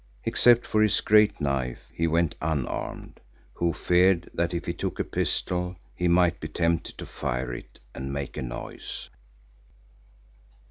Except for his great knife, he went unarmed, who feared that if he took a pistol he might be tempted to fire it and make a noise.